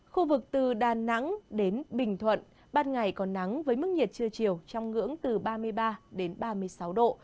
khu vực từ đà nẵng đến bình thuận ban ngày còn nắng với mức nhiệt trưa chiều trong ngưỡng từ ba mươi ba đến ba mươi sáu độ